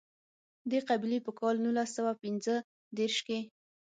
دې قبیلې په کال نولس سوه پېنځه دېرش کې.